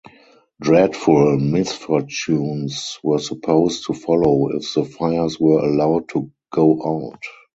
Dreadful misfortunes were supposed to follow if the fires were allowed to go out.